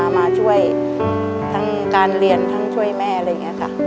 มาช่วยทั้งการเรียนทั้งช่วยแม่อะไรอย่างนี้ค่ะ